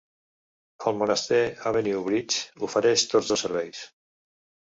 Almonaster Avenue Bridge ofereix tots dos serveis.